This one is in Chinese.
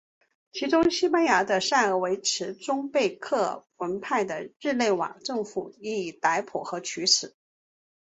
其中西班牙的塞尔维特终被克尔文派的日内瓦政府予以逮捕和处死。